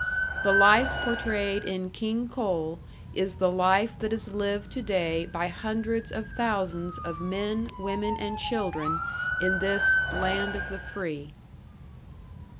The life portrayed in "King Coal" is the life that is lived to day by hundreds of thousands of men, women and children in this "land of the free."